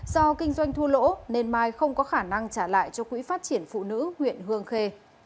do kinh doanh thua lỗ nên mai không có khả năng trả lại cho quỹ phát triển phụ nữ huyện hương khê